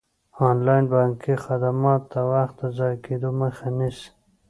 انلاین بانکي خدمات د وخت د ضایع کیدو مخه نیسي.